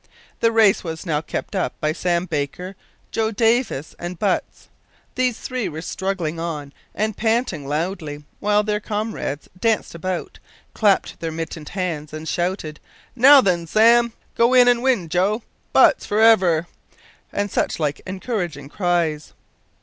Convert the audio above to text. The race was now kept up by Sam Baker, Joe Davis, and Butts. These three were struggling on and panting loudly, while their comrades danced about, clapped their mittened hands, and shouted, "Now then, Sam! go in and win, Joe! Butts, forever!" and such like encouraging cries.